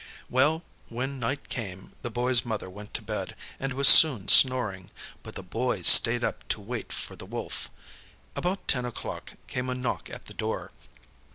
Well, when night came, the Boy's mother went to bed, and she was soon snoring, but the Boy stayed up to wait for the Wolf. About ten o'clock came a knock at the door.